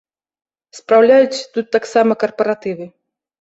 Спраўляюць тут таксама карпаратывы.